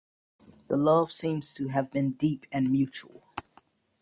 The love seems to have been deep and mutual.